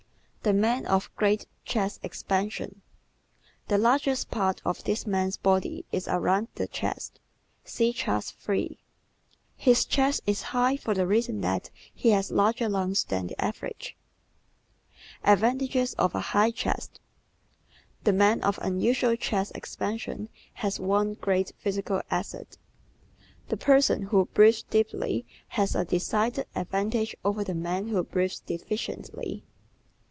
The Man of Great Chest Expansion ¶ The largest part of this man's body is around the chest. (See Chart 3) His chest is high for the reason that he has larger lungs than the average. Advantages of a High Chest ¶ The man of unusual chest expansion has one great physical asset. The person who breathes deeply has a decided advantage over the man who breathes deficiently.